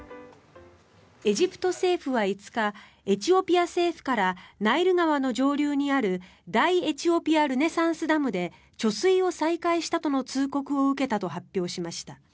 エジプト政府は５日エチオピア政府からナイル川の上流にある大エチオピア・ルネサンスダムで貯水を再開したとの通告を受けたと発表しました。